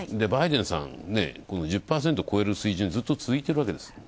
バイデンさん、１０％を超える水準、ずっと続いているわけです。